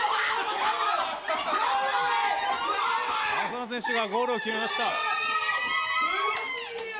浅野選手がゴールを決めました。